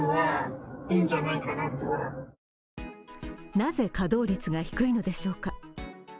なぜ稼働率が低いのでしょうか。